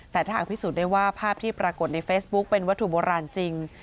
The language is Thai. แต่ถ้าหากพิสูจน์ได้ว่าภาพที่ปรากฏในเฟซบุ๊กเป็นวัตถุโบราณจริง